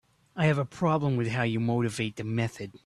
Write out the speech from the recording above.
I have a problem with how you motivate the method.